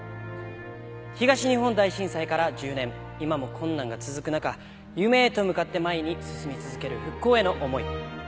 東日本大震災から１０年、今も困難が続く中、夢へと向かって前に進み続ける復興への思い。